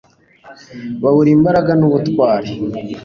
babura imbaraga n'ubutwari